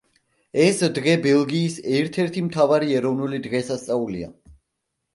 ეს დღე ბელგიის ერთ-ერთი მთავარი ეროვნული დღესასწაულია.